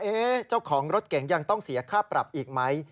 เจ้าของรถเก๋งยังต้องเสียค่าปรับอีกไหม